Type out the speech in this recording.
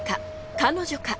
彼女か？